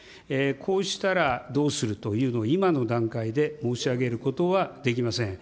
こうしたらどうするというのを、今の段階で申し上げることはできません。